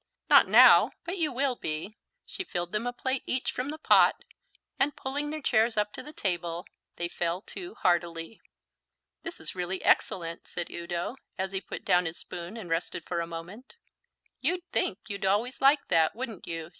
"Not now, but you will be." She filled them a plate each from the pot; and pulling their chairs up to the table, they fell to heartily. "This is really excellent," said Udo, as he put down his spoon and rested for a moment. "You'd think you'd always like that, wouldn't you?"